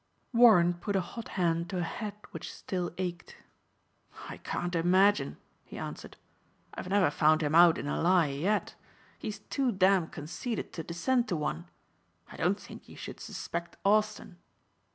Warren put a hot hand to a head which still ached. "I can't imagine," he answered. "I've never found him out in a lie yet. He's too damn conceited to descend to one. I don't think you should suspect Austin."